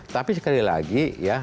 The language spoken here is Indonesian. tapi sekali lagi ya